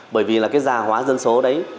bởi vì là cái giả hóa dân số đấy